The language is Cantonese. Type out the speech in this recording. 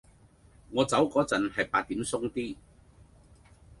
我走嗰陣係八點鬆啲